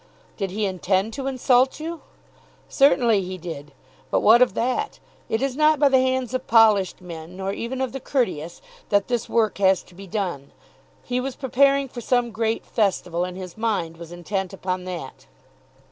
"Did he intend to insult you?" "Certainly he did. But what of that? It is not by the hands of polished men, nor even of the courteous, that this work has to be done. He was preparing for some great festival, and his mind was intent upon that."